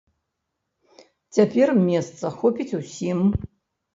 Цяпер месца хопіць усім!